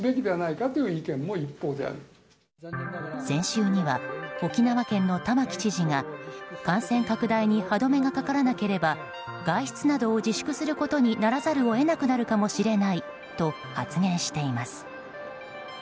先週には、沖縄県の玉城知事が感染拡大に歯止めがかからなければ外出などを自粛することにならざるを得なくなるかもしれないと発言しています。